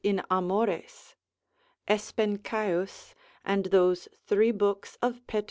in Amores, Espencaeus, and those three books of Pet.